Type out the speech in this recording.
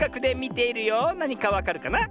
なにかわかるかな？